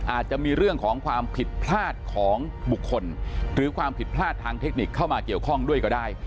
อาจจะมีเรื่องของความผิดพลาดของบุคคลหรือความผิดพลาดทางเทคนิคเข้ามาเกี่ยวข้องด้วยก็ได้